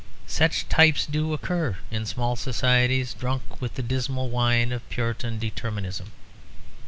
Such types do occur in small societies drunk with the dismal wine of Puritan determinism.